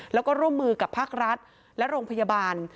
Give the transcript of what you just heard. แล้วก็ร่วมมือกับภาครัฐและโรงพยาบาล